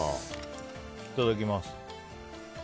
いただきます。